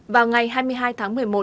vào ngày hai mươi hai tháng một mươi một